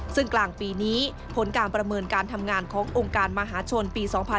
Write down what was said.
ซึ่งกลางปีนี้ผลการประเมินการทำงานขององค์การมหาชนปี๒๕๖๒